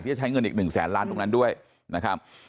จะใช้เงินอีก๑แสนล้านตรงนั้นด้วยนะครับ